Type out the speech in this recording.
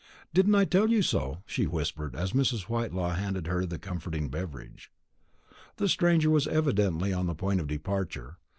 "Didn't I tell you so?" she whispered, as Mrs. Whitelaw handed her the comforting beverage. The stranger was evidently on the point of departure.